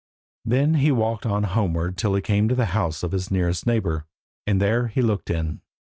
Then he walked on homeward till he came to the house of his nearest neighbour, and there he looked in.